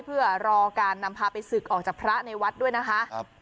เพื่อรอการนำพาไปศึกออกจากพระในวัดด้วยนะคะ